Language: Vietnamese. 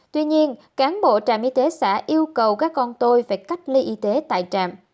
tuy nhiên cán bộ trạm y tế xã yêu cầu các con tôi phải cách ly y tế tại trạm